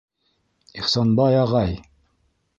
Ихсанбай ағай!